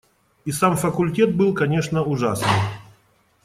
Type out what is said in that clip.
И сам факультет был, конечно, ужасный.